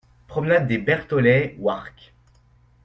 Promenade des Bertholet, Warcq